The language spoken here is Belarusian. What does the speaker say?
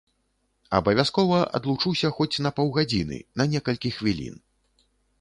Абавязкова адлучуся хоць на паўгадзіны, на некалькі хвілін.